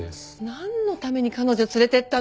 なんのために彼女を連れていったの！？